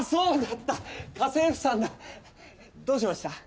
どうしました？